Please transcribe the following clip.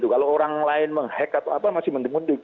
kalau orang lain menghack atau apa masih mudik